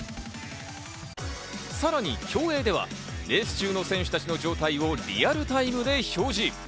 さらに競泳ではレース中の選手たちの状態をリアルタイムで表示。